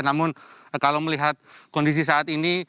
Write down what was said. namun kalau melihat kondisi saat ini